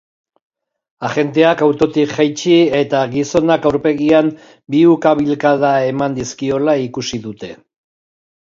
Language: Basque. Agenteak autotik jaitsi eta gizonak aurpegian bi ukalbikada eman dizkiola ikusi dute.